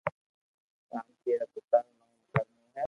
رامسي رآ پيتا رو نو ڪرمون ھي